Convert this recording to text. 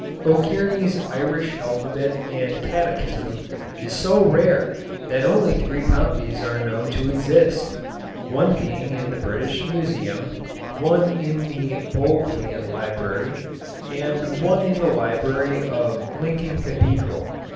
O'Kearney's Irish Alphabet and Catechism is so rare that only three copies are known to exist: one being in the British Museum, one in the Bodleian Library, and one in the library of Lincoln Cathedral.